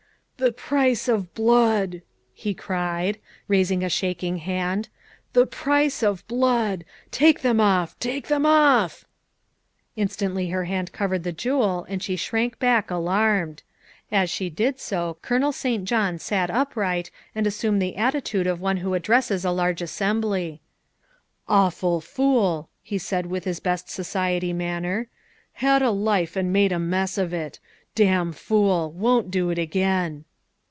" The price of blood," he cried, raising a shaking hand, " the price of blood. Take them off! take them off!" Instinctively her hand covered the jewel and she shrank back alarmed. As she did so Colonel St. John sat upright and assumed the attitude of one who ad dresses a large assembly. "Awful fool," he said with his best society manner; " had a life and made a mess of it. Damn fool won't do it again."